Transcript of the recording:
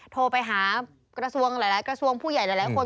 โทรไปหากระทรวงหลายกระทรวงผู้ใหญ่หลายคน